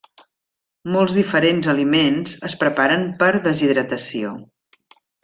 Molts diferents aliments es preparen per deshidratació.